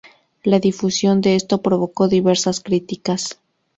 La difusión de esto provocó diversas críticas.